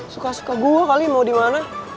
suka suka gue kali mau dimana